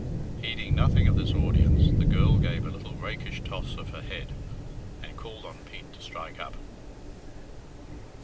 Heeding nothing of this audience, the girl gave a little rakish toss of her head and called on Pete to strike up.